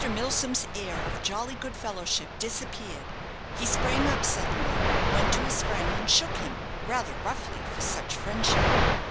Milsom's air of jolly good fellowship disappeared: he sprang up suddenly, went to his friend, and shook him, rather roughly for such friendship.